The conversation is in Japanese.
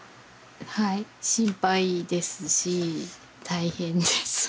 はい心配ですし大変です。